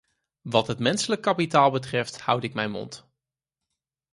Wat het menselijk kapitaal betreft houd ik mijn mond.